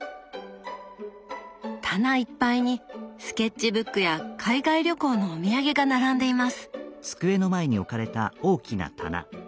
棚いっぱいにスケッチブックや海外旅行のお土産が並んでいます。